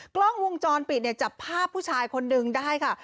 กล้องวงจรปิดเนี่ยจับภาพผู้ชายคนนึงได้ค่ะ